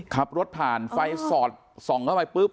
ขับรถผ่านไฟสอดส่องเข้าไปปุ๊บ